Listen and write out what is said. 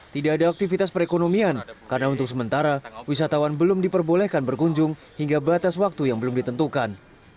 tidak ada aktivitas perekonomian karena untuk sementara wisatawan belum diperbolehkan berkunjung hingga batas waktu yang belum ditentukan